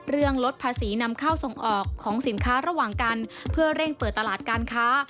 ลดภาษีนำเข้าส่งออกของสินค้าระหว่างกันเพื่อเร่งเปิดตลาดการค้า